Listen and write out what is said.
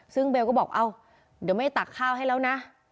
ซึ่งเบลก็บอกเอ้าเดี๋ยวไม่ตักข้าวให้แล้วนะ